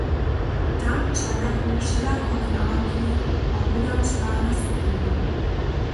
Tam čakachu wšelakore nadawki a hódančka na skupiny.